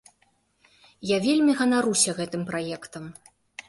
Я вельмі ганаруся гэтым праектам.